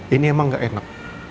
ini emang gak enak